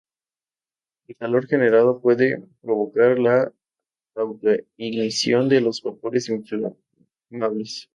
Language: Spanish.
El calor generado puede provocar la autoignición de los vapores inflamables.